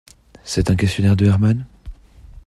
C’est un questionnaire de Herman?